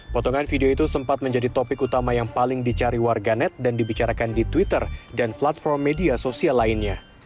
potongan video itu sempat menjadi topik utama yang paling dicari warganet dan dibicarakan di twitter dan platform media sosial lainnya